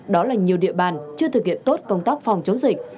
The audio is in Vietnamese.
đó là nhiều địa bàn chưa thực hiện tốt công tác phòng chống dịch